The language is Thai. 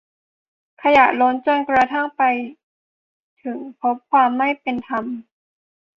ขยะล้น จนกระทั่งไปถึง พบความไม่เป็นธรรม